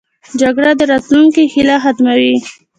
جګړه د راتلونکې هیله ختموي